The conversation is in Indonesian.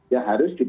ya harus di pick up